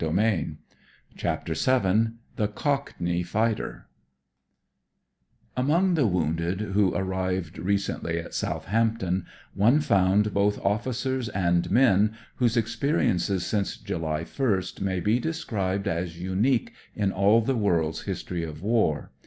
(( t( ti CHAPTER VII THE COCKNEY FIGHTER Among the wounded who arrived recently mt Soutibampton one found both officers and men whose experiences since July 1st may be described as unique in all the world's history of war.